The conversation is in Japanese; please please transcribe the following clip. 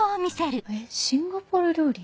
シンガポール料理？